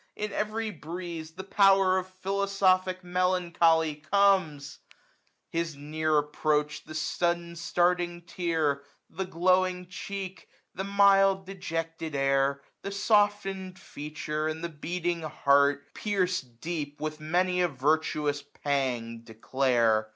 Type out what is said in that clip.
in every breeze the Power Of Philosophic Melancholy comes 5 AUTUMN. iS9 I. "'."■''■'■■ 1 =3 His near approach the sudden stardng tear. The glowing cheek, the mild dejected air, 1005 The softened feature, and the beating heart, Fierc'd deep with many a virtuous pang, declare.